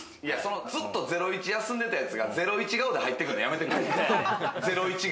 ずっと『ゼロイチ』休んでいたやつが『ゼロイチ』顔で入ってくるのやめてくれ。